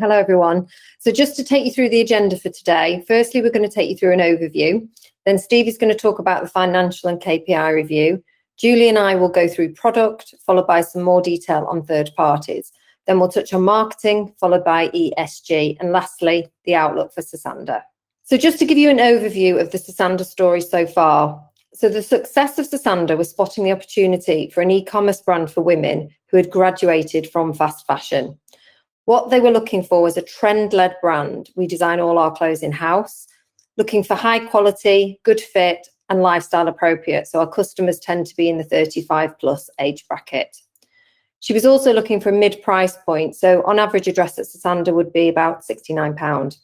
Hello, everyone. Just to take you through the agenda for today, first, we're going to take you through an overview. Steve is going to talk about the financial and KPI review. Julie and I will go through product, followed by some more detail on third parties. We'll touch on marketing, followed by ESG, and lastly, the outlook for Sosandar. Just to give you an overview of the Sosandar story so far. The success of Sosandar was spotting the opportunity for an e-commerce brand for women who had graduated from fast fashion. What they were looking for was a trend-led brand, we design all our clothes in-house, looking for high quality, good fit, and lifestyle appropriate. Our customers tend to be in the 35+ age bracket. She was also looking for a mid-price point. On average, a dress at Sosandar would be about 69 pound.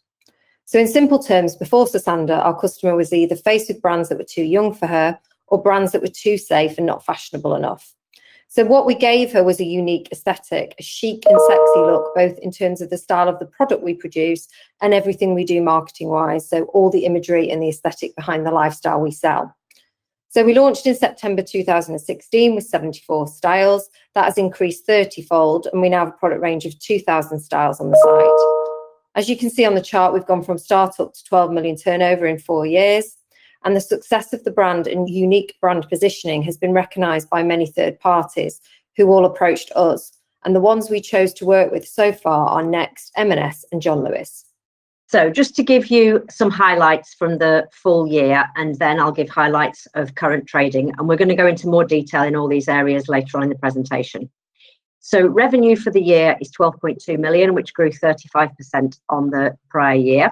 In simple terms, before Sosandar, our customer was either faced with brands that were too young for her or brands that were too safe and not fashionable enough. What we gave her was a unique aesthetic, a chic and sexy look, both in terms of the style of the product we produce and everything we do marketing wise. All the imagery and the aesthetic behind the lifestyle we sell. We launched in September 2016 with 74 styles. That has increased 30 fold, and we now have a product range of 2,000 styles on the site. As you can see on the chart, we've gone from startup to 12 million turnover in four years, and the success of the brand and unique brand positioning has been recognized by many third parties who all approached us. The ones we chose to work with so far are Next, M&S, and John Lewis. Just to give you some highlights from the full year, and then I'll give highlights of current trading, and we're going to go into more detail in all these areas later on in the presentation. Revenue for the year is 12.2 million, which grew 35% on the prior year.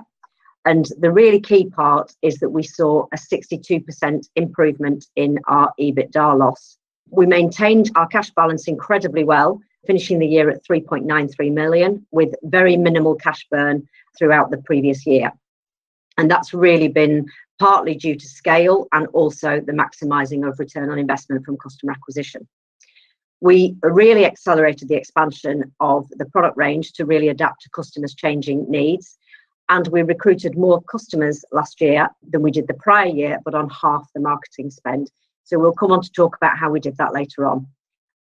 The really key part is that we saw a 62% improvement in our EBITDA loss. We maintained our cash balance incredibly well, finishing the year at 3.93 million with very minimal cash burn throughout the previous year. That's really been partly due to scale and also the maximizing of return on investment from customer acquisition. We really accelerated the expansion of the product range to really adapt to customers' changing needs, and we recruited more customers last year than we did the prior year, but on half the marketing spend. We'll come on to talk about how we did that later on.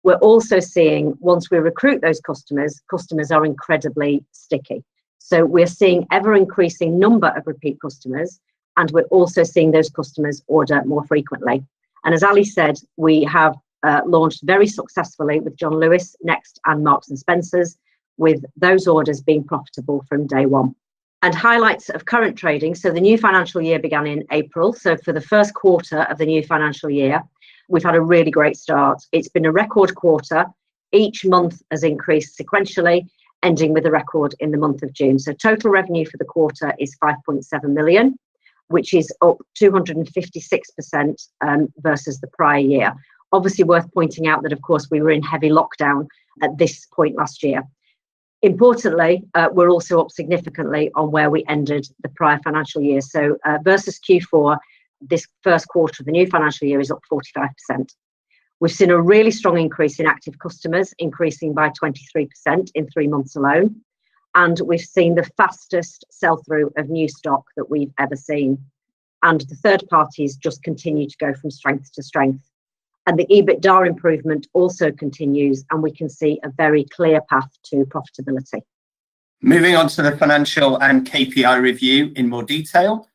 We're also seeing, once we recruit those customers are incredibly sticky. We're seeing ever increasing number of repeat customers, and we're also seeing those customers order more frequently. As Ali said, we have launched very successfully with John Lewis, Next, and Marks & Spencer, with those orders being profitable from day one. Highlights of current trading, the new financial year began in April. For the first quarter of the new financial year, we've had a really great start. It's been a record quarter. Each month has increased sequentially, ending with a record in the month of June. Total revenue for the quarter is 5.7 million, which is up 256% versus the prior year. Obviously worth pointing out that, of course, we were in heavy lockdown at this point last year. Importantly, we're also up significantly on where we ended the prior financial year. Versus Q4, this first quarter of the new financial year is up 45%. We've seen a really strong increase in active customers, increasing by 23% in three months alone. We've seen the fastest sell-through of new stock that we've ever seen. The third parties just continue to go from strength to strength. The EBITDA improvement also continues, and we can see a very clear path to profitability. Moving on to the financial and KPI review in more detail.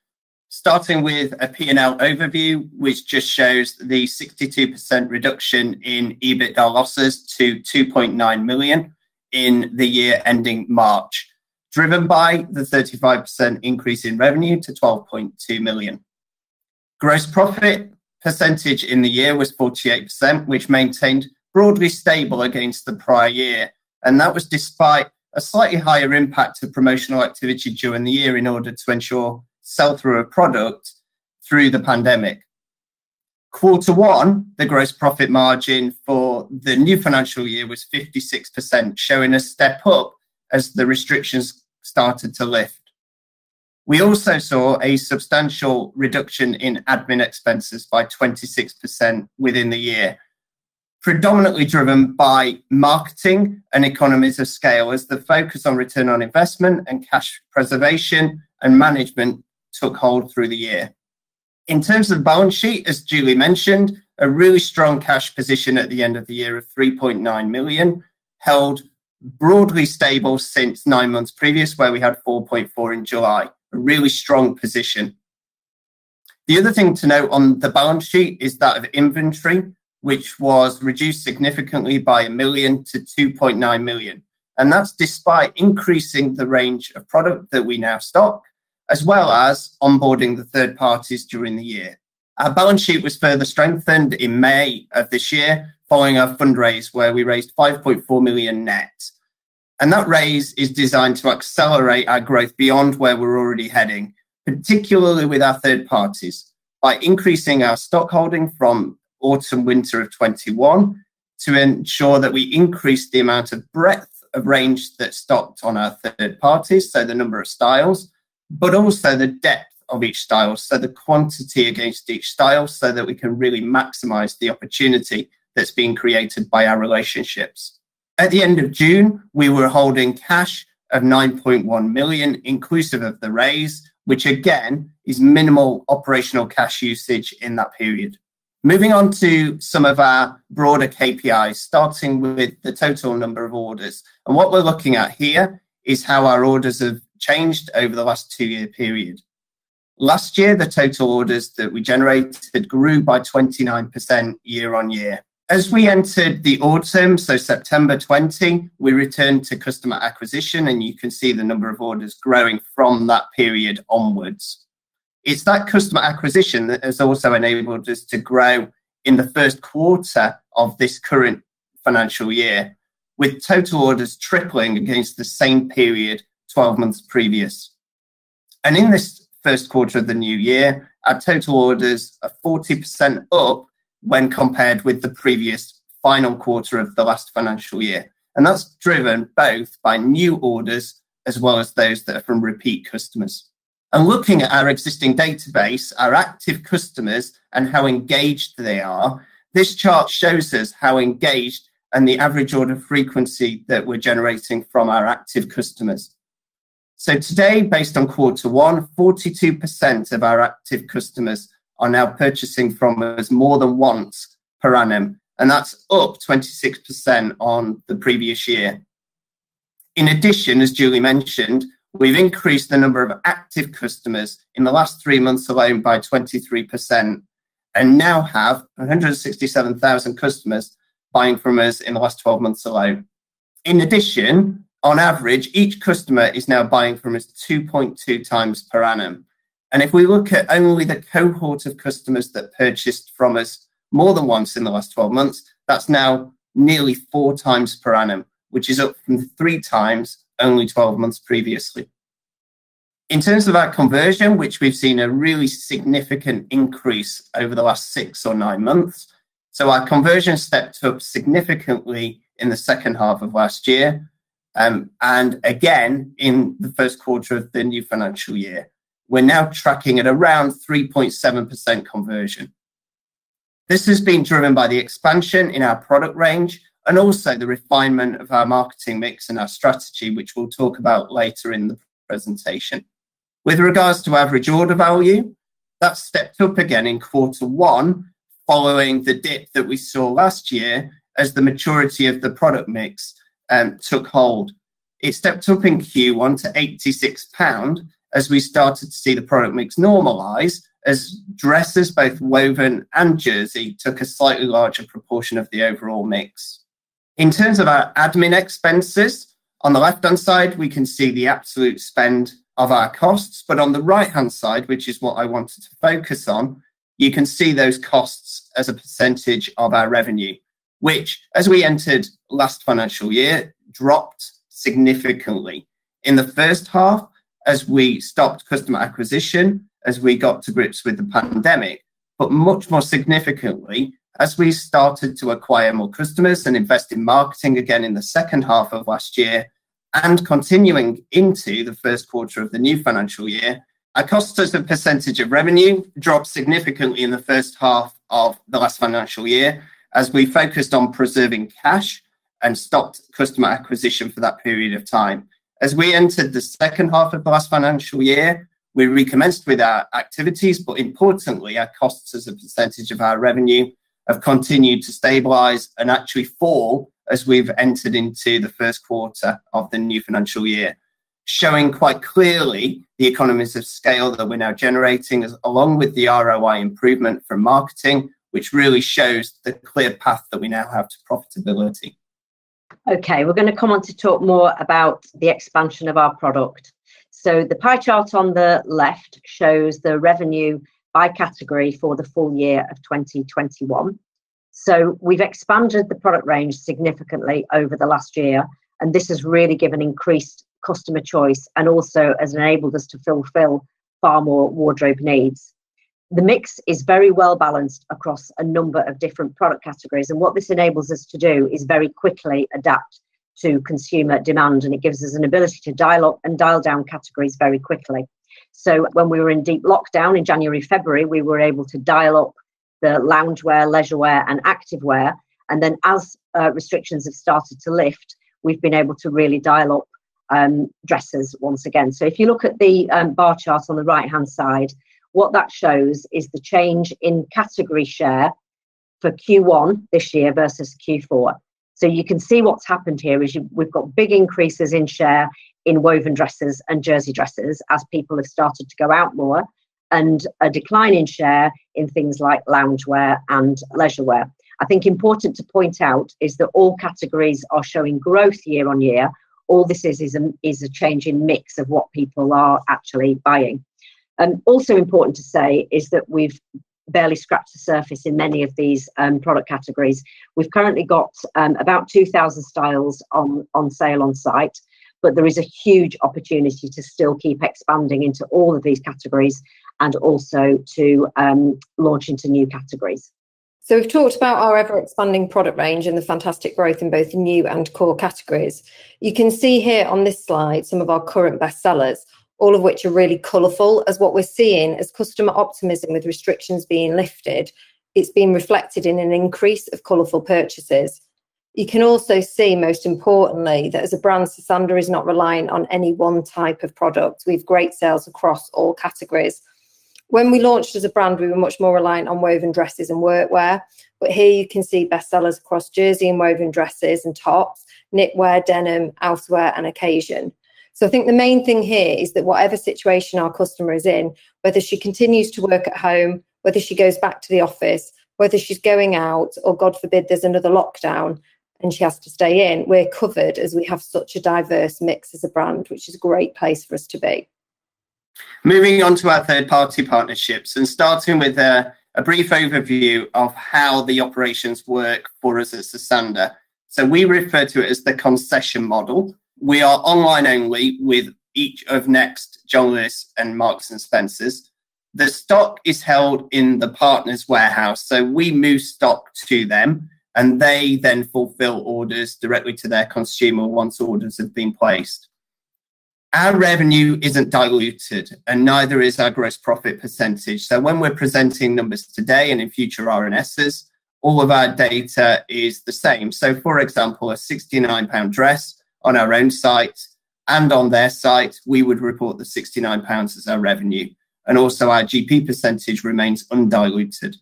Starting with a P&L overview, which just shows the 62% reduction in EBITDA losses to 2.9 million in the year ending March, driven by the 35% increase in revenue to 12.2 million. Gross profit percentage in the year was 48%, which maintained broadly stable against the prior year. That was despite a slightly higher impact of promotional activity during the year in order to ensure sell-through of product through the pandemic. Quarter one, the gross profit margin for the new financial year was 56%, showing a step up as the restrictions started to lift. We also saw a substantial reduction in admin expenses by 26% within the year, predominantly driven by marketing and economies of scale, as the focus on return on investment and cash preservation and management took hold through the year. In terms of the balance sheet, as Julie mentioned, a really strong cash position at the end of the year of 3.9 million, held broadly stable since nine months previous, where we had 4.4 in July. A really strong position. The other thing to note on the balance sheet is that of inventory, which was reduced significantly by 1 million to 2.9 million, and that's despite increasing the range of product that we now stock, as well as onboarding the third parties during the year. Our balance sheet was further strengthened in May of this year following our fundraise, where we raised 5.4 million net, and that raise is designed to accelerate our growth beyond where we're already heading, particularly with our third parties, by increasing our stock holding from Autumn/Winter 2021 to ensure that we increase the amount of breadth of range that's stocked on our third parties, so the number of styles, but also the depth of each style, so the quantity against each style, so that we can really maximize the opportunity that's being created by our relationships. At the end of June, we were holding cash of 9.1 million, inclusive of the raise, which again, is minimal operational cash usage in that period. Moving on to some of our broader KPIs, starting with the total number of orders. What we're looking at here is how our orders have changed over the last two-year period. Last year, the total orders that we generated grew by 29% year-over-year. As we entered the autumn, so September 2020, we returned to customer acquisition, and you can see the number of orders growing from that period onwards. It's that customer acquisition that has also enabled us to grow in the first quarter of this current financial year, with total orders tripling against the same period 12 months previous. In this first quarter of the new year, our total orders are 40% up when compared with the previous final quarter of the last financial year. That's driven both by new orders as well as those that are from repeat customers. Looking at our existing database, our active customers, and how engaged they are, this chart shows us how engaged and the average order frequency that we're generating from our active customers. Today, based on quarter one, 42% of our active customers are now purchasing from us more than once per annum, and that's up 26% on the previous year. In addition, as Julie mentioned, we've increased the number of active customers in the last three months alone by 23% and now have 167,000 customers buying from us in the last 12 months alone. In addition, on average, each customer is now buying from us 2.2x per annum. If we look at only the cohort of customers that purchased from us more than once in the last 12 months, that's now nearly 4x per annum, which is up from 3x only 12 months previously. In terms of our conversion, which we've seen a really significant increase over the last six or nine months, so our conversion stepped up significantly in the second half of last year, and again in the first quarter of the new financial year. We're now tracking at around 3.7% conversion. This has been driven by the expansion in our product range and also the refinement of our marketing mix and our strategy, which we'll talk about later in the presentation. With regards to average order value, that's stepped up again in quarter one following the dip that we saw last year as the maturity of the product mix took hold. It stepped up in Q1 to 86 pound as we started to see the product mix normalize, as dresses, both woven and jersey, took a slightly larger proportion of the overall mix. In terms of our admin expenses, on the left-hand side, we can see the absolute spend of our costs, but on the right-hand side, which is what I wanted to focus on, you can see those costs as a percentage of our revenue, which, as we entered last financial year, dropped significantly. In the first half, as we stopped customer acquisition, as we got to grips with the pandemic, but much more significantly as we started to acquire more customers and invest in marketing again in the second half of last year and continuing into the first quarter of the new financial year, our cost as a percentage of revenue dropped significantly in the first half of the last financial year as we focused on preserving cash and stopped customer acquisition for that period of time. As we entered the second half of last financial year, we recommenced with our activities, but importantly, our costs as a percentage of our revenue have continued to stabilize and actually fall as we've entered into the first quarter of the new financial year, showing quite clearly the economies of scale that we're now generating, along with the ROI improvement from marketing, which really shows the clear path that we now have to profitability. We're going to come on to talk more about the expansion of our product. The pie chart on the left shows the revenue by category for the full year of 2021. We've expanded the product range significantly over the last year. This has really given increased customer choice and also has enabled us to fulfill far more wardrobe needs. The mix is very well balanced across a number of different product categories, and what this enables us to do is very quickly adapt to consumer demand, and it gives us an ability to dial up and dial down categories very quickly. When we were in deep lockdown in January, February, we were able to dial up the loungewear, leisurewear, and activewear, and then as restrictions have started to lift, we've been able to really dial up dresses once again. If you look at the bar chart on the right-hand side, what that shows is the change in category share for Q1 this year versus Q4. You can see what's happened here is we've got big increases in share in woven dresses and jersey dresses as people have started to go out more, and a decline in share in things like loungewear and leisurewear. I think important to point out is that all categories are showing growth year-on-year. All this is a change in mix of what people are actually buying. Also important to say is that we've barely scratched the surface in many of these product categories. We've currently got about 2,000 styles on sale on-site, there is a huge opportunity to still keep expanding into all of these categories and also to launch into new categories. We've talked about our ever-expanding product range and the fantastic growth in both new and core categories. You can see here on this slide some of our current bestsellers, all of which are really colorful, as what we're seeing is customer optimism with restrictions being lifted. It's been reflected in an increase of colorful purchases. You can also see, most importantly, that as a brand, Sosandar is not reliant on any one type of product. We've great sales across all categories. When we launched as a brand, we were much more reliant on woven dresses and workwear. Here you can see bestsellers across jersey and woven dresses and tops, knitwear, denim, outerwear, and occasion. I think the main thing here is that whatever situation our customer is in, whether she continues to work at home, whether she goes back to the office, whether she's going out, or God forbid, there's another lockdown and she has to stay in, we're covered, as we have such a diverse mix as a brand, which is a great place for us to be. Moving on to our third-party partnerships, and starting with a brief overview of how the operations work for us at Sosandar. We refer to it as the concession model. We are online only with each of Next, John Lewis, and Marks & Spencer. The stock is held in the partner's warehouse, so we move stock to them, and they then fulfill orders directly to their consumer once orders have been placed. Our revenue isn't diluted, and neither is our gross profit percentage. When we're presenting numbers today, and in future RNSs, all of our data is the same. For example, a 69 pound dress on our own site and on their site, we would report the 69 pounds as our revenue, and also our GP percentage remains undiluted.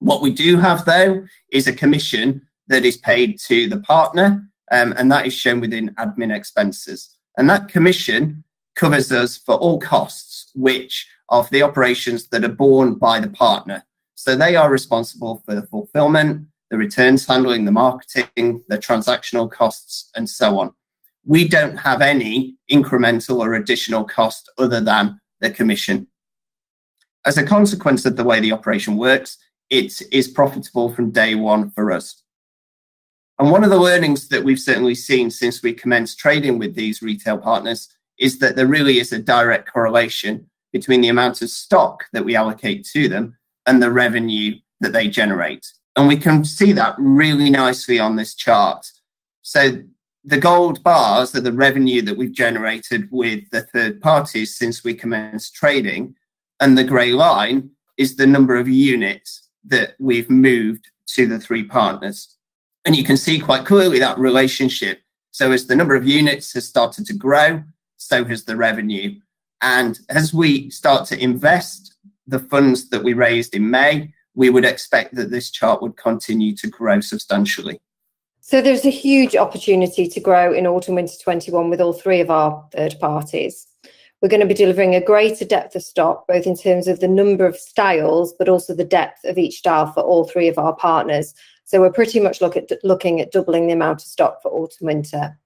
What we do have, though, is a commission that is paid to the partner, and that is shown within admin expenses. That commission covers us for all costs, which of the operations that are borne by the partner. They are responsible for the fulfillment, the returns handling, the marketing, the transactional costs, and so on. We don't have any incremental or additional cost other than the commission. As a consequence of the way the operation works, it is profitable from day one for us. One of the learnings that we've certainly seen since we commenced trading with these retail partners is that there really is a direct correlation between the amount of stock that we allocate to them and the revenue that they generate. We can see that really nicely on this chart. The gold bars are the revenue that we've generated with the third parties since we commenced trading, and the gray line is the number of units that we've moved to the three partners. You can see quite clearly that relationship. As the number of units has started to grow, so has the revenue. As we start to invest the funds that we raised in May, we would expect that this chart would continue to grow substantially. There's a huge opportunity to grow in Autumn/Winter 2021 with all three of our third parties. We're going to be delivering a greater depth of stock, both in terms of the number of styles, but also the depth of each style for all three of our partners. We're pretty much looking at doubling the amount of stock for Autumn/Winter.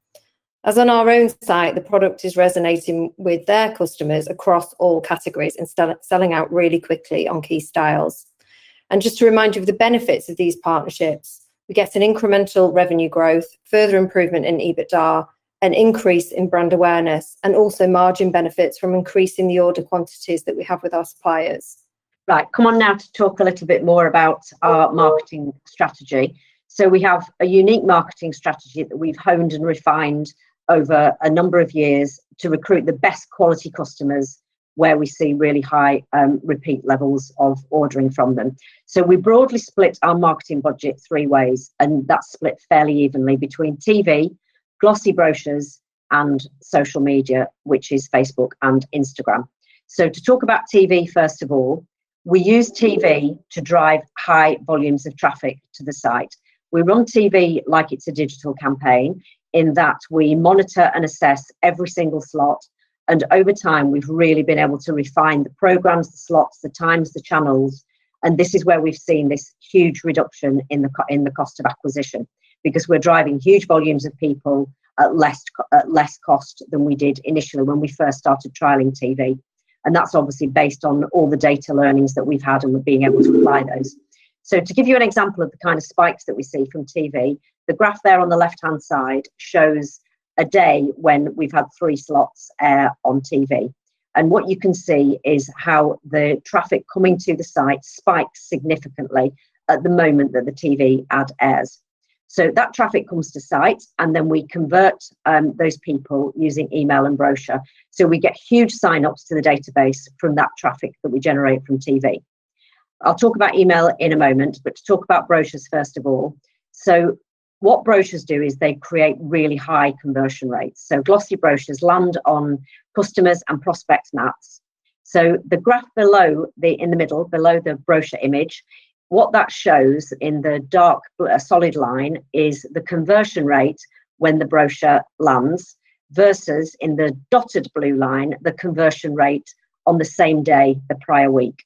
As on our own site, the product is resonating with their customers across all categories and selling out really quickly on key styles. Just to remind you of the benefits of these partnerships, we get an incremental revenue growth, further improvement in EBITDA, an increase in brand awareness, and also margin benefits from increasing the order quantities that we have with our suppliers. Right. Come on now to talk a little bit more about our marketing strategy. We have a unique marketing strategy that we've honed and refined over a number of years to recruit the best quality customers, where we see really high repeat levels of ordering from them. We broadly split our marketing budget three ways, and that's split fairly evenly between TV, glossy brochures, and social media, which is Facebook and Instagram. To talk about TV, first of all, we use TV to drive high volumes of traffic to the site. We run TV like it's a digital campaign, in that we monitor and assess every single slot, and over time, we've really been able to refine the programs, the slots, the times, the channels. This is where we've seen this huge reduction in the cost of acquisition, because we're driving huge volumes of people at less cost than we did initially when we first started trialing TV. That's obviously based on all the data learnings that we've had and we're being able to apply those. To give you an example of the kind of spikes that we see from TV, the graph there on the left-hand side shows a day when we've had three slots air on TV. What you can see is how the traffic coming to the site spikes significantly at the moment that the TV ad airs. That traffic comes to site, and then we convert those people using email and brochure. We get huge sign-ups to the database from that traffic that we generate from TV. I'll talk about email in a moment, but to talk about brochures, first of all. What brochures do is they create really high conversion rates. Glossy brochures land on customers' and prospects' mats. The graph below in the middle, below the brochure image, what that shows in the dark solid line is the conversion rate when the brochure lands versus, in the dotted blue line, the conversion rate on the same day the prior week.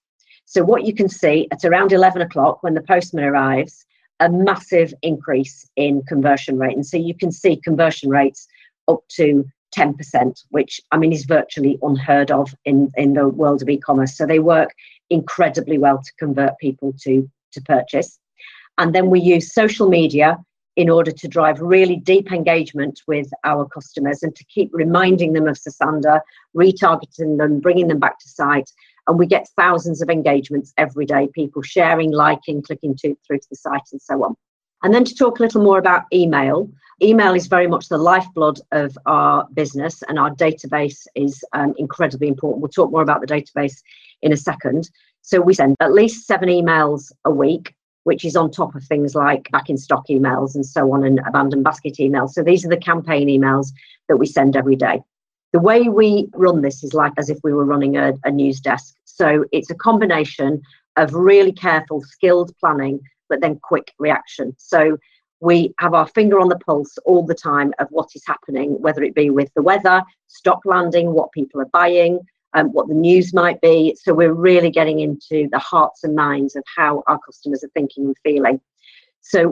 What you can see, at around 11:00 A.M., when the postman arrives, a massive increase in conversion rate. You can see conversion rates up to 10%, which is virtually unheard of in the world of e-commerce. They work incredibly well to convert people to purchase. Then we use social media in order to drive really deep engagement with our customers and to keep reminding them of Sosandar, retargeting them, bringing them back to site, and we get thousands of engagements every day, people sharing, liking, clicking through to the site, and so on. Then to talk a little more about email. Email is very much the lifeblood of our business, and our database is incredibly important. We'll talk more about the database in a second. We send at least seven emails a week, which is on top of things like back-in-stock emails and so on, and abandoned basket emails. These are the campaign emails that we send every day. The way we run this is like as if we were running a news desk. It's a combination of really careful, skilled planning, but then quick reaction. We have our finger on the pulse all the time of what is happening, whether it be with the weather, stock landing, what people are buying, what the news might be. We're really getting into the hearts and minds of how our customers are thinking and feeling.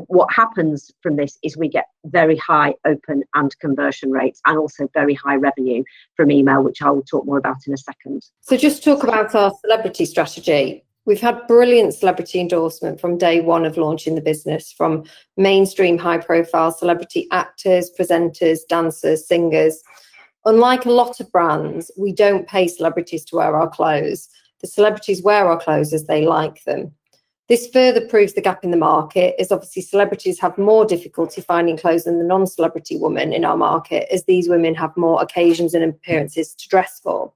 What happens from this is we get very high open and conversion rates and also very high revenue from email, which I'll talk more about in a second. Just talk about our celebrity strategy. We've had brilliant celebrity endorsement from day one of launching the business, from mainstream high-profile celebrity actors, presenters, dancers, singers. Unlike a lot of brands, we don't pay celebrities to wear our clothes. The celebrities wear our clothes as they like them. This further proves the gap in the market, as obviously celebrities have more difficulty finding clothes than the non-celebrity woman in our market, as these women have more occasions and appearances to dress for.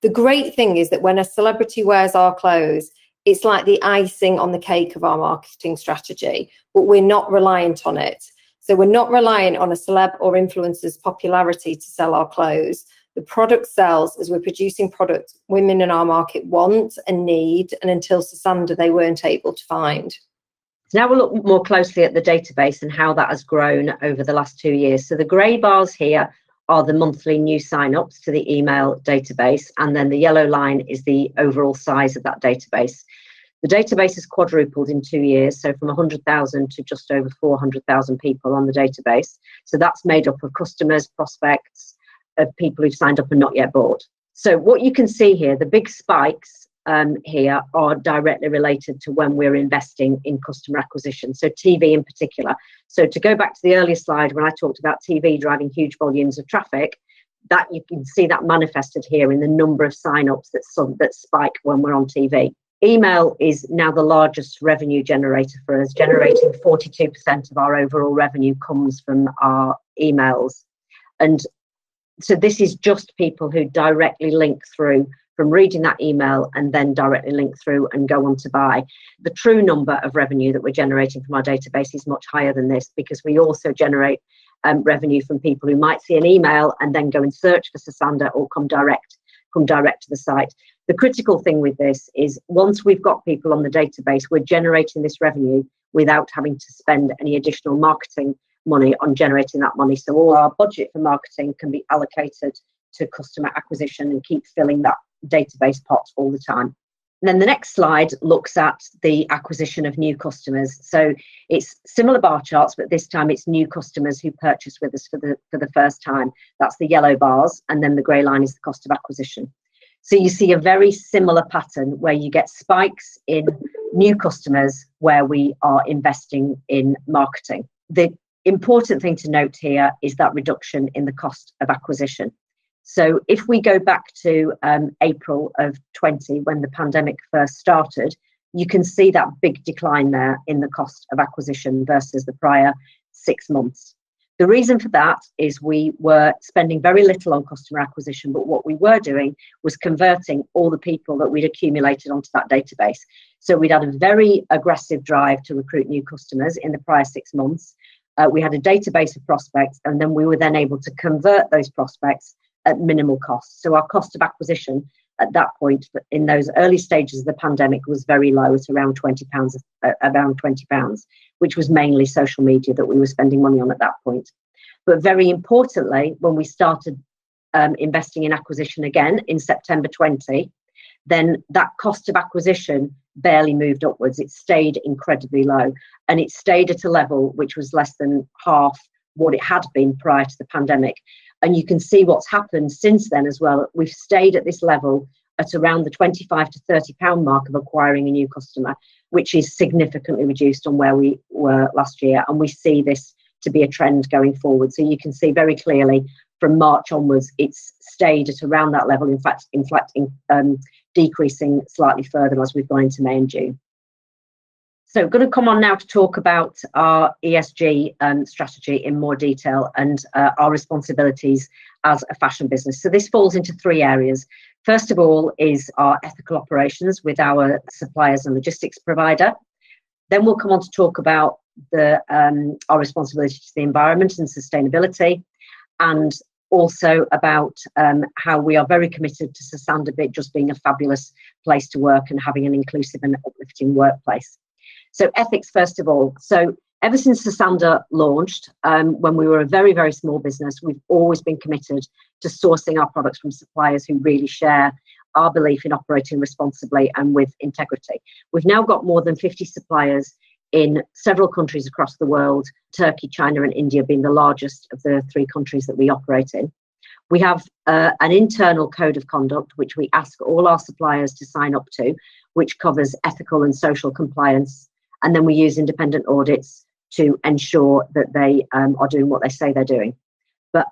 The great thing is that when a celebrity wears our clothes, it's like the icing on the cake of our marketing strategy, but we're not reliant on it. We're not reliant on a celeb or influencer's popularity to sell our clothes. The product sells as we're producing products women in our market want and need, and until Sosandar, they weren't able to find. Now we'll look more closely at the database and how that has grown over the last two years. The gray bars here are the monthly new sign-ups to the email database, and then the yellow line is the overall size of that database. The database has quadrupled in two years, from 100,000 to just over 400,000 people on the database. That's made up of customers, prospects, of people who've signed up and not yet bought. What you can see here, the big spikes here are directly related to when we're investing in customer acquisition, so TV in particular. To go back to the earlier slide when I talked about TV driving huge volumes of traffic, you can see that manifested here in the number of sign-ups that spike when we're on TV. Email is now the largest revenue generator for us. Generating 42% of our overall revenue comes from our emails. This is just people who directly link through from reading that email and then directly link through and go on to buy. The true number of revenue that we're generating from our database is much higher than this because we also generate revenue from people who might see an email and then go and search for Sosandar or come direct to the site. The critical thing with this is once we've got people on the database, we're generating this revenue without having to spend any additional marketing money on generating that money. All our budget for marketing can be allocated to customer acquisition and keep filling that database pot all the time. The next slide looks at the acquisition of new customers. It's similar bar charts, but this time it's new customers who purchase with us for the first time. That's the yellow bars, and then the gray line is the cost of acquisition. You see a very similar pattern, where you get spikes in new customers, where we are investing in marketing. The important thing to note here is that reduction in the cost of acquisition. If we go back to April of 2020, when the pandemic first started, you can see that big decline there in the cost of acquisition versus the prior six months. The reason for that is we were spending very little on customer acquisition, but what we were doing was converting all the people that we'd accumulated onto that database. We'd had a very aggressive drive to recruit new customers in the prior six months. We had a database of prospects, and then we were then able to convert those prospects at minimal cost. Our cost of acquisition at that point in those early stages of the pandemic was very low. It's around 20 pounds, which was mainly social media that we were spending money on at that point. Very importantly, when we started investing in acquisition again in September 2020, that cost of acquisition barely moved upwards. It stayed incredibly low, it stayed at a level which was less than half what it had been prior to the pandemic. You can see what's happened since then as well. We've stayed at this level at around the 25-30 pound mark of acquiring a new customer, which is significantly reduced on where we were last year, we see this to be a trend going forward. You can see very clearly from March onwards, it's stayed at around that level. In fact, decreasing slightly further as we go into May and June. Going to come on now to talk about our ESG strategy in more detail and our responsibilities as a fashion business. This falls into three areas. First of all is our ethical operations with our suppliers and logistics provider. We'll come on to talk about our responsibility to the environment and sustainability, and also about how we are very committed to Sosandar just being a fabulous place to work and having an inclusive and uplifting workplace. Ethics, first of all. Ever since Sosandar launched, when we were a very small business, we've always been committed to sourcing our products from suppliers who really share our belief in operating responsibly and with integrity. We've now got more than 50 suppliers in several countries across the world, Turkey, China, and India being the largest of the three countries that we operate in. We have an internal code of conduct, which we ask all our suppliers to sign up to, which covers ethical and social compliance, and then we use independent audits to ensure that they are doing what they say they're doing.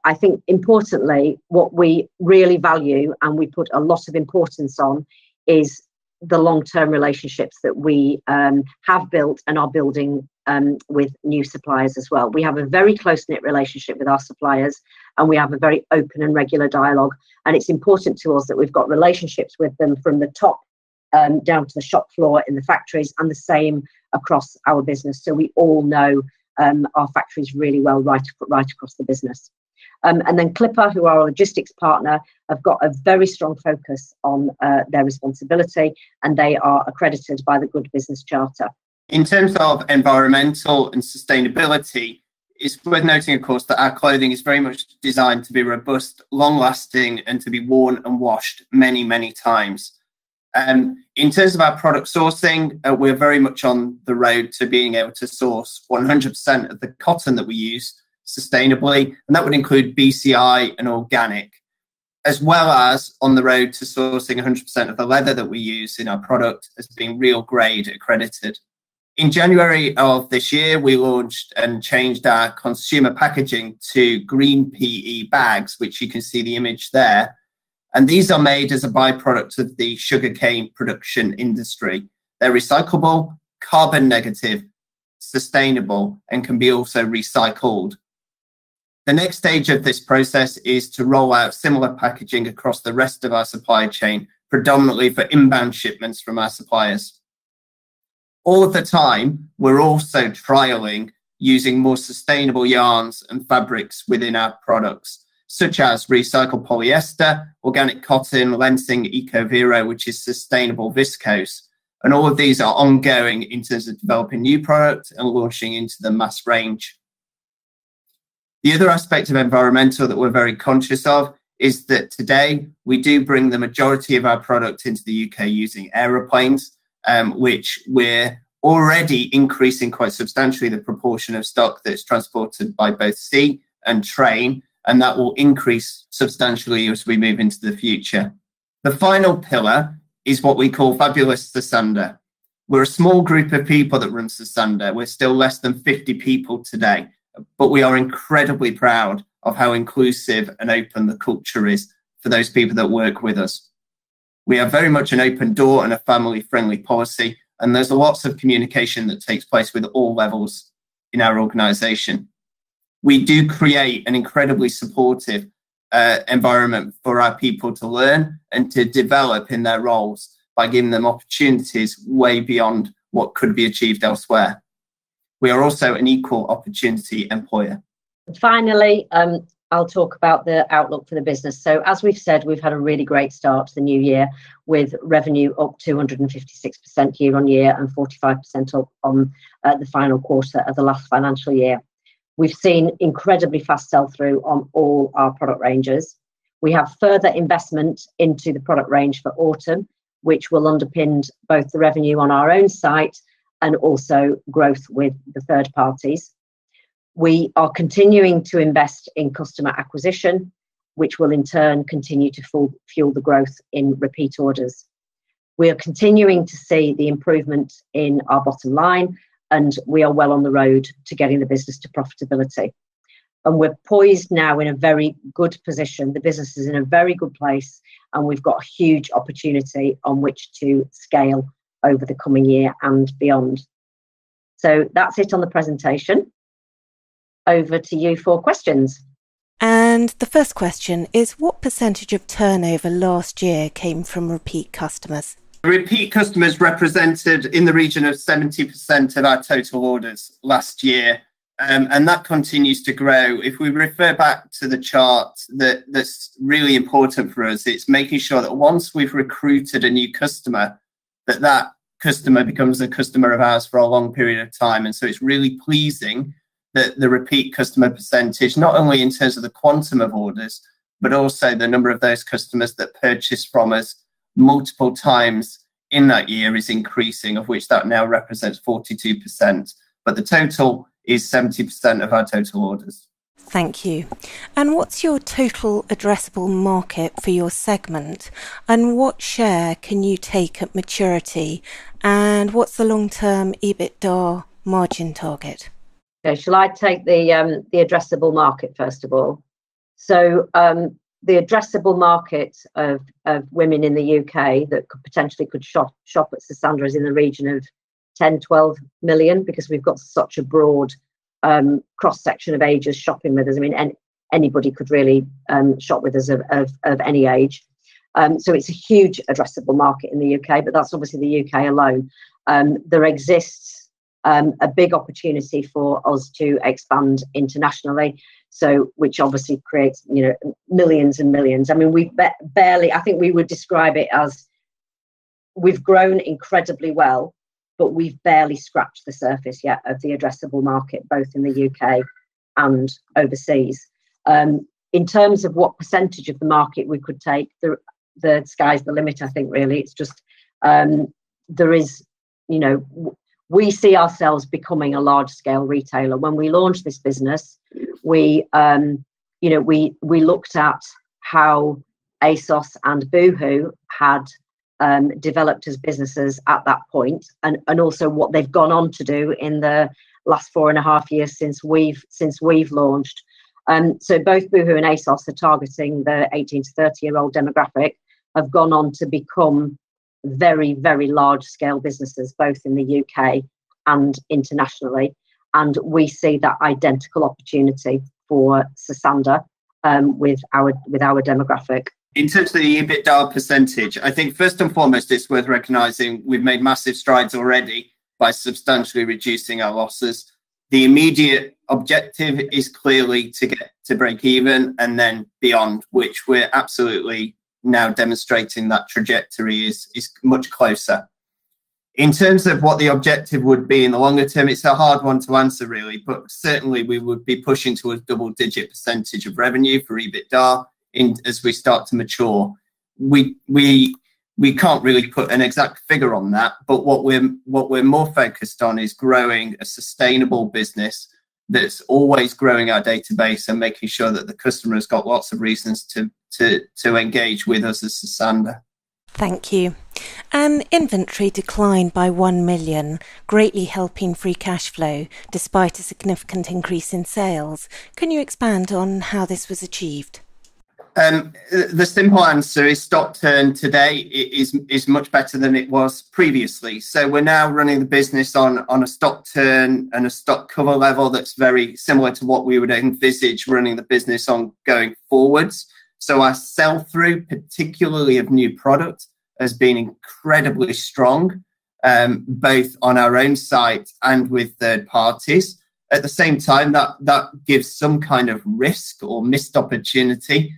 I think importantly, what we really value and we put a lot of importance on is the long-term relationships that we have built and are building with new suppliers as well. We have a very close-knit relationship with our suppliers, and we have a very open and regular dialogue, and it's important to us that we've got relationships with them from the top-down to the shop floor in the factories, and the same across our business. We all know our factories really well, right across the business. Clipper, who are our logistics partner, have got a very strong focus on their responsibility, and they are accredited by the Good Business Charter. In terms of environmental and sustainability, it's worth noting, of course, that our clothing is very much designed to be robust, long-lasting, and to be worn and washed many, many times. In terms of our product sourcing, we're very much on the road to being able to source 100% of the cotton that we use sustainably, and that would include BCI and organic. As well as on the road to sourcing 100% of the leather that we use in our product as being REALGRADE accredited. In January of this year, we launched and changed our consumer packaging to green PE bags, which you can see the image there, and these are made as a byproduct of the sugarcane production industry. They're recyclable, carbon-negative, sustainable, and can be also recycled. The next stage of this process is to roll out similar packaging across the rest of our supply chain, predominantly for inbound shipments from our suppliers. All of the time, we're also trialing using more sustainable yarns and fabrics within our products, such as recycled polyester, organic cotton, LENZING ECOVERO, which is sustainable viscose. All of these are ongoing in terms of developing new product and launching into the mass range. The other aspect of environmental that we're very conscious of is that today, we do bring the majority of our product into the U.K. using airplanes, which we're already increasing quite substantially the proportion of stock that's transported by both sea and train, and that will increase substantially as we move into the future. The final pillar is what we call Fabulous Sosandar. We're a small group of people that run Sosandar. We're still less than 50 people today, but we are incredibly proud of how inclusive and open the culture is for those people that work with us. We are very much an open door and a family-friendly policy, and there's lots of communication that takes place with all levels in our organization. We do create an incredibly supportive environment for our people to learn and to develop in their roles by giving them opportunities way beyond what could be achieved elsewhere. We are also an equal opportunity employer. Finally, I'll talk about the outlook for the business. As we've said, we've had a really great start to the new year with revenue up 256% year-on-year, and 45% up on the final quarter of the last financial year. We've seen incredibly fast sell-through on all our product ranges. We have further investment into the product range for autumn, which will underpin both the revenue on our own site and also growth with the third parties. We are continuing to invest in customer acquisition, which will in turn continue to fuel the growth in repeat orders. We are continuing to see the improvement in our bottom line, and we are well on the road to getting the business to profitability. We're poised now in a very good position. The business is in a very good place, and we've got a huge opportunity on which to scale over the coming year and beyond. That's it on the presentation. Over to you for questions. The first question is, what percentage of turnover last year came from repeat customers? Repeat customers represented in the region of 70% of our total orders last year. That continues to grow. If we refer back to the chart, that's really important for us. It's making sure that once we've recruited a new customer, that that customer becomes a customer of ours for a long period of time. It's really pleasing that the repeat customer percentage, not only in terms of the quantum of orders, but also the number of those customers that purchase from us multiple times in that year, is increasing, of which that now represents 42%, but the total is 70% of our total orders. Thank you. What's your total addressable market for your segment, and what share can you take at maturity, and what's the long-term EBITDA margin target? Shall I take the addressable market first of all? The addressable market of women in the U.K. that potentially could shop at Sosandar is in the region of 10 million, 12 million, because we've got such a broad cross-section of ages shopping with us. Anybody could really shop with us, of any age. It's a huge addressable market in the U.K. That's obviously the U.K. alone. There exists a big opportunity for us to expand internationally, which obviously creates millions and millions. I think we would describe it as we've grown incredibly well, but we've barely scratched the surface yet of the addressable market, both in the U.K. and overseas. In terms of what percentage of the market we could take, the sky's the limit, I think, really. We see ourselves becoming a large-scale retailer. When we launched this business, we looked at how ASOS and Boohoo had developed as businesses at that point, and also what they've gone on to do in the last four and a half years since we've launched. Both Boohoo and ASOS are targeting the 18 to 30-year-old demographic, have gone on to become very, very large-scale businesses, both in the U.K. and internationally, and we see that identical opportunity for Sosandar with our demographic. In terms of the EBITDA percentage, I think first and foremost, it's worth recognizing we've made massive strides already by substantially reducing our losses. The immediate objective is clearly to break even and then beyond, which we're absolutely now demonstrating that trajectory is much closer. In terms of what the objective would be in the longer term, it's a hard one to answer, really, but certainly we would be pushing to a double-digit percentage of revenue for EBITDA as we start to mature. We can't really put an exact figure on that, but what we're more focused on is growing a sustainable business that's always growing our database and making sure that the customer has got lots of reasons to engage with us as Sosandar. Thank you. Inventory declined by 1 million, greatly helping free cash flow despite a significant increase in sales. Can you expand on how this was achieved? The simple answer is stock turn today is much better than it was previously. We're now running the business on a stock turn and a stock cover level that's very similar to what we would envisage running the business on going forward. Our sell-through, particularly of new product, has been incredibly strong, both on our own site and with third parties. At the same time, that gives some kind of risk or missed opportunity,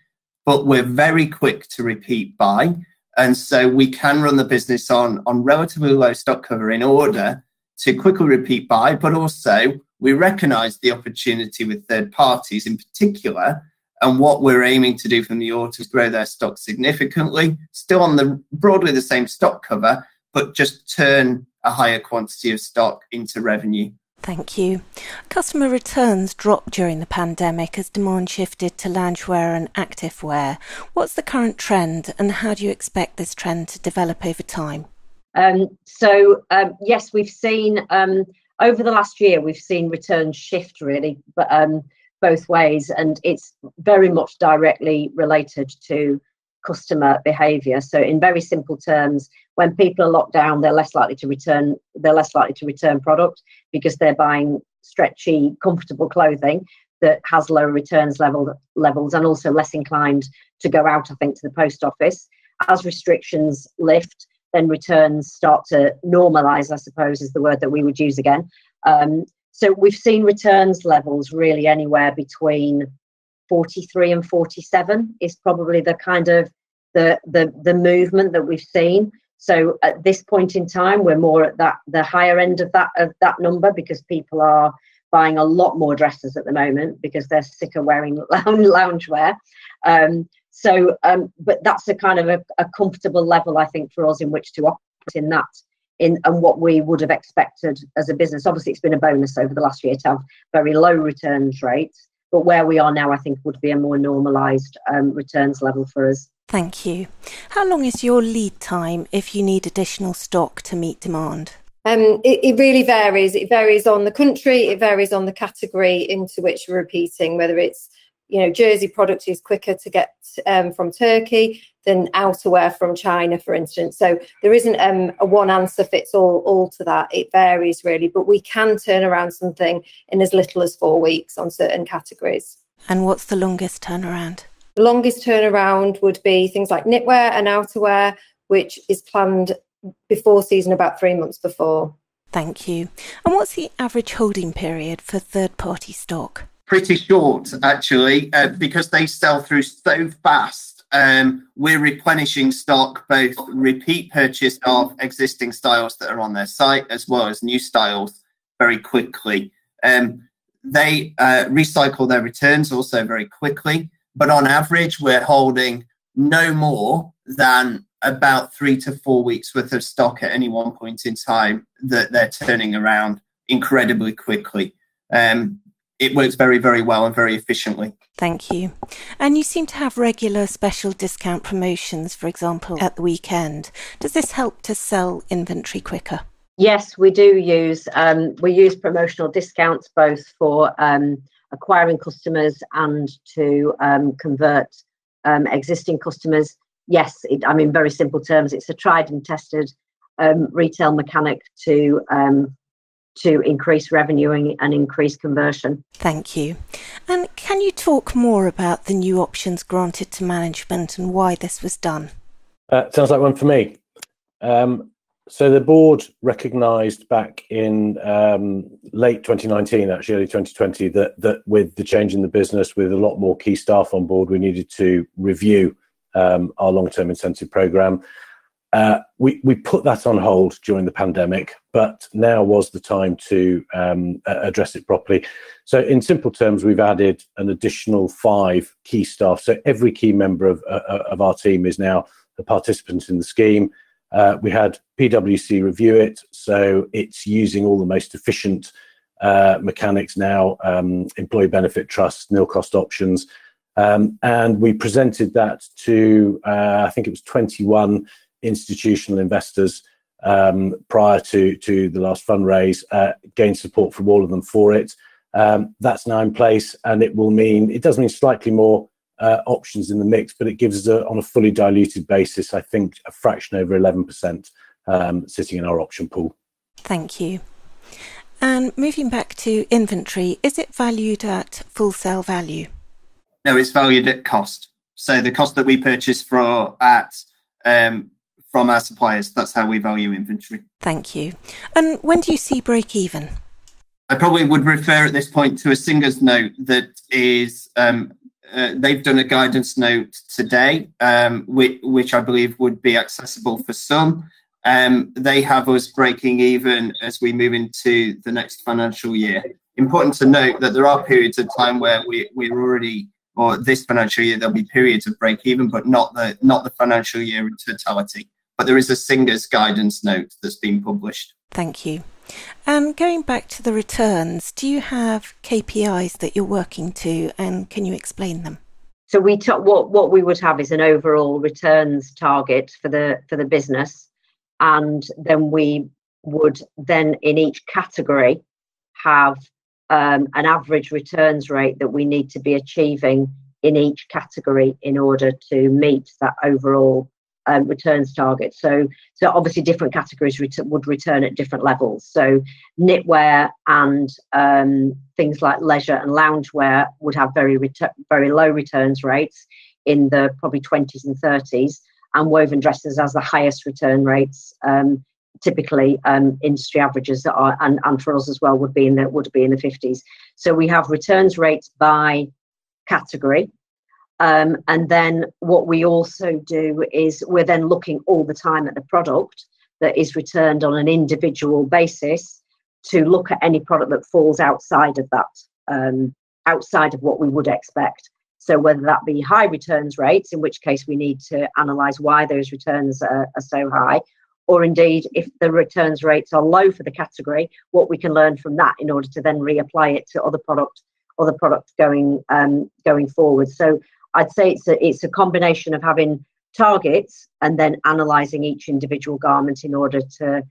but we're very quick to repeat buy, and so we can run the business on relatively low stock cover in order to quickly repeat buy, but also we recognize the opportunity with third parties in particular, and what we're aiming to do from the autumn is grow their stock significantly. Still on broadly the same stock cover, just turn a higher quantity of stock into revenue. Thank you. Customer returns dropped during the pandemic as demand shifted to loungewear and activewear. What's the current trend, and how do you expect this trend to develop over time? Yes, over the last year, we've seen returns shift, really, both ways, and it's very much directly related to customer behavior. In very simple terms, when people are locked down, they're less likely to return product, because they're buying stretchy, comfortable clothing that has low returns levels, and also less inclined to go out, I think, to the post office. As restrictions lift, returns start to normalize, I suppose, is the word that we would use again. We've seen returns levels really anywhere between 43% and 47% is probably the kind of the movement that we've seen. At this point in time, we're more at the higher end of that number because people are buying a lot more dresses at the moment because they're sick of wearing loungewear. That's a kind of a comfortable level, I think, for us in which to operate in that, and what we would have expected as a business. Obviously, it's been a bonus over the last year to have very low returns rates, but where we are now, I think, would be a more normalized returns level for us. Thank you. How long is your lead time if you need additional stock to meet demand? It really varies. It varies on the country. It varies on the category into which we're repeating, whether it's jersey product is quicker to get from Turkey than outerwear from China, for instance. There isn't a one answer fits all to that. It varies, really. We can turn around something in as little as four weeks on certain categories. What's the longest turnaround? The longest turnaround would be things like knitwear and outerwear, which is planned before season, about three months before. Thank you. What's the average holding period for third-party stock? Pretty short, actually, because they sell through so fast. We're replenishing stock, both repeat purchase of existing styles that are on their site, as well as new styles very quickly. They recycle their returns also very quickly. On average, we're holding no more than about three to four weeks worth of stock at any one point in time, that they're turning around incredibly quickly. It works very well and very efficiently. Thank you. You seem to have regular special discount promotions, for example, at the weekend. Does this help to sell inventory quicker? Yes, we use promotional discounts both for acquiring customers and to convert existing customers. Yes. In very simple terms, it's a tried and tested retail mechanic to increase revenue and increase conversion. Thank you. Can you talk more about the new options granted to management and why this was done? Sounds like one for me. The board recognized back in late 2019, actually early 2020, that with the change in the business, with a lot more key staff on board, we needed to review our long-term incentive program. We put that on hold during the pandemic, but now was the time to address it properly. In simple terms, we've added an additional five key staff. Every key member of our team is now a participant in the scheme. We had PwC review it, so it's using all the most efficient mechanics now, employee benefit trust, nil-cost options. We presented that to, I think it was 21 institutional investors prior to the last fund raise, gained support from all of them for it. That's now in place, and it does mean slightly more options in the mix, but it gives us, on a fully diluted basis, I think, a fraction over 11% sitting in our option pool. Thank you. Moving back to inventory, is it valued at full sale value? No, it's valued at cost. The cost that we purchase from our suppliers, that's how we value inventory. Thank you. When do you see breakeven? I probably would refer at this point to a Singer's note. They've done a guidance note today, which I believe would be accessible for some. They have us breaking even as we move into the next financial year. Important to note that there are periods of time or this financial year, there'll be periods of breakeven, but not the financial year in totality. There is a Singer's guidance note that's been published. Thank you. Going back to the returns, do you have KPIs that you're working to, and can you explain them? What we would have is an overall returns target for the business, and then we would then, in each category, have an average returns rate that we need to be achieving in each category in order to meet that overall returns target. Obviously, different categories would return at different levels. Knitwear and things like leisure and loungewear would have very low returns rates in the probably 20s and 30s, and woven dresses as the highest return rates. Typically, industry averages are, and for us as well, would be in the 50s. We have returns rates by category. Then what we also do is we're then looking all the time at the product that is returned on an individual basis to look at any product that falls outside of what we would expect. Whether that be high returns rates, in which case, we need to analyze why those returns are so high, or indeed, if the returns rates are low for the category, what we can learn from that in order to then reapply it to other products going forward. I'd say it's a combination of having targets and then analyzing each individual garment in order to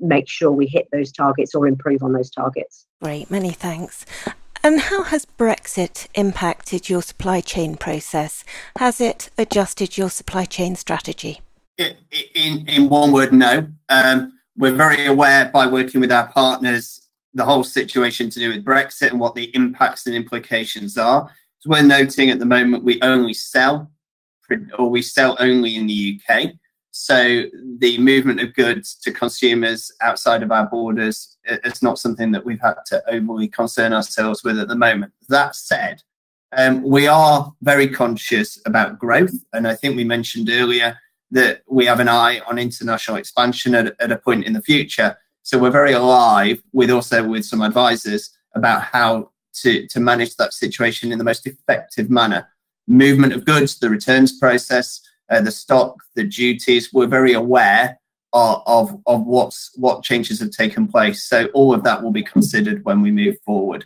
make sure we hit those targets or improve on those targets. Great. Many thanks. How has Brexit impacted your supply chain process? Has it adjusted your supply chain strategy? In one word, no. We're very aware, by working with our partners, the whole situation to do with Brexit and what the impacts and implications are. We're noting at the moment, we sell only in the U.K. The movement of goods to consumers outside of our borders, it's not something that we've had to overly concern ourselves with at the moment. That said, we are very conscious about growth, and I think we mentioned earlier that we have an eye on international expansion at a point in the future. We're very alive, also with some advisors, about how to manage that situation in the most effective manner. Movement of goods, the returns process, the stock, the duties, we're very aware of what changes have taken place. All of that will be considered when we move forward.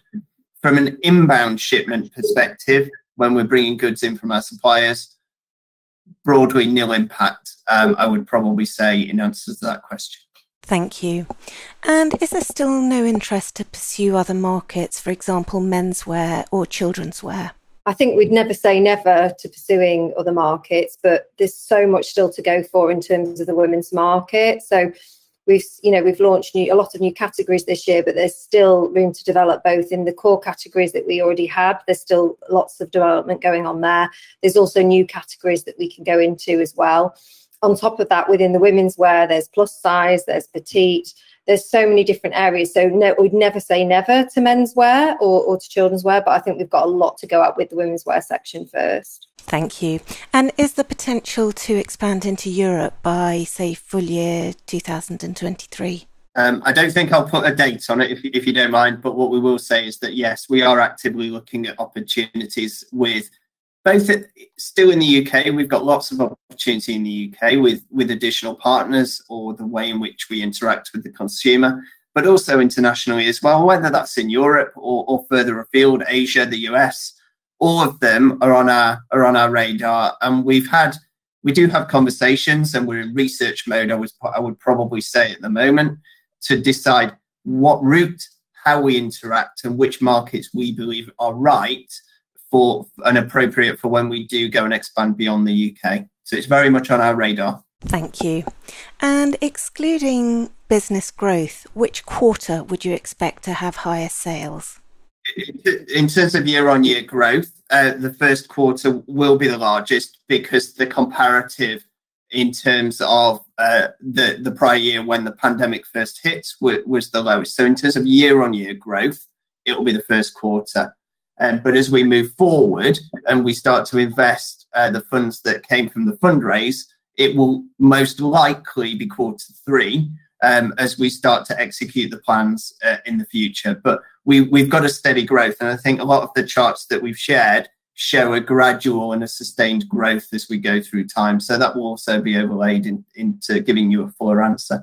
From an inbound shipment perspective, when we're bringing goods in from our suppliers, broadly nil impact, I would probably say in answer to that question. Thank you. Is there still no interest to pursue other markets, for example, menswear or childrenswear? I think we'd never say never to pursuing other markets, but there's so much still to go for in terms of the women's market. We've launched a lot of new categories this year, but there's still room to develop, both in the core categories that we already have, there's still lots of development going on there. There's also new categories that we can go into as well. On top of that, within the womenswear, there's plus size, there's petite, there's so many different areas. We'd never say never to menswear or to childrenswear, but I think we've got a lot to go at with the womenswear section first. Thank you. Is the potential to expand into Europe by, say, full year 2023? I don't think I'll put a date on it, if you don't mind. What we will say is that, yes, we are actively looking at opportunities with both still in the U.K., we've got lots of opportunity in the U.K. with additional partners or the way in which we interact with the consumer, also internationally as well, whether that's in Europe or further afield, Asia, the U.S. All of them are on our radar, and we do have conversations, and we're in research mode, I would probably say at the moment, to decide what route, how we interact, and which markets we believe are right and appropriate for when we do go and expand beyond the U.K. It's very much on our radar. Thank you. Excluding business growth, which quarter would you expect to have higher sales? In terms of year-on-year growth, the first quarter will be the largest because the comparative in terms of the prior year when the pandemic first hit was the lowest. In terms of year-on-year growth, it'll be the first quarter. As we move forward and we start to invest the funds that came from the fundraise, it will most likely be quarter three, as we start to execute the plans in the future. We've got a steady growth, and I think a lot of the charts that we've shared show a gradual and a sustained growth as we go through time. That will also be overlaid into giving you a fuller answer.